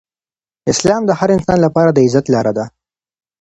اسلام د هر انسان لپاره د عزت لاره ده.